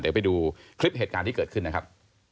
เดี๋ยวไปดูคลิปเหตุการณ์ที่เกิดขึ้นนะครับ